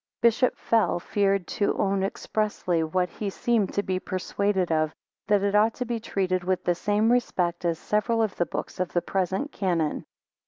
Bishop Fell feared to own expressly what he seemed to be persuaded of, that it ought to be treated with the same respect as several of the books of the present canon.